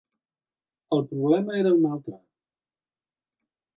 El problema era un altre.